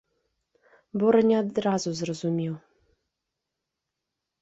Бора не адразу зразумеў.